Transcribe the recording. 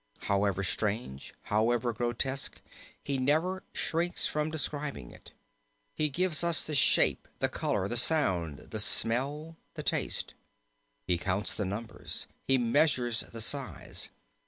... However strange, however grotesque, he never shrinks from describing it. He gives us the shape, the color, the sound, the smell, the taste; he counts the numbers; he measures the size.